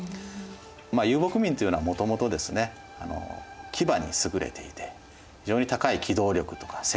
まあ遊牧民というのはもともとですね騎馬に優れていて非常に高い機動力とか戦闘力とかを。